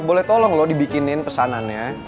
boleh tolong loh dibikinin pesanannya